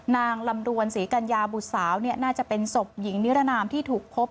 นางลำดวนศรีกัญญาบุตรสาวน่าจะเป็นศพหญิงนิรนามที่ถูกพบ